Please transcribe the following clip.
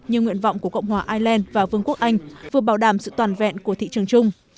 như nguyện vọng của cộng hòa ireland và vương quốc anh vừa bảo đảm sự toàn vẹn của thị trường chung